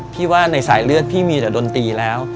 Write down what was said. ว่าในสายเลือดพี่มีแต่ดนตรีแล้ว